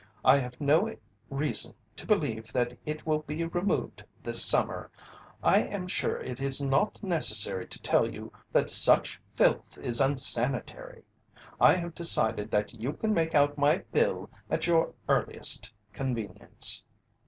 I have no reason to believe that it will be removed this summer. I am sure it is not necessary to tell you that such filth is unsanitary. I have decided that you can make out my bill at your earliest convenience."